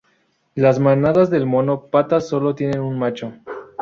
Las manadas del mono patas solo tienen un macho.